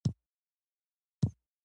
که څه هم ځمکه د کار موضوع کیدای شي.